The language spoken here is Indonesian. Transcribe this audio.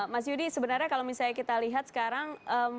mas yudi sebenarnya kalau misalnya kita lihat sekarang